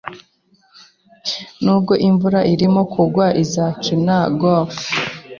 Nubwo imvura irimo kugwa, azakina golf.